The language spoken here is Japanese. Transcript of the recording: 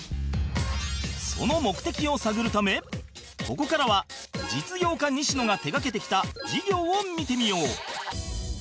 その目的を探るためここからは実業家西野が手がけてきた事業を見てみよう